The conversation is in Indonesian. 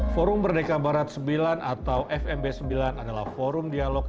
forum berdekabarat ix atau fmb ix adalah forum dialog